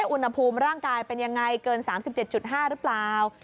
อุณหภูมิร่างกายเป็นยังไงเกิน๓๗๕หรือเปล่า